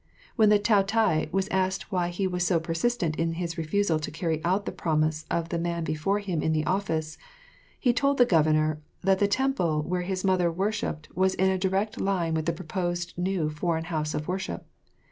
When the Taotai was asked why he was so persistent in his refusal to carry out the promise of the man before him in the office, he told the Governor that the temple where his mother worshipped was in a direct line with the proposed new foreign house of worship.